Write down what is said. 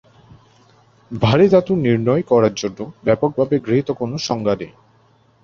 ভারী ধাতু নির্ণয় করার জন্য ব্যাপকভাবে গৃহীত কোন সংজ্ঞা নেই।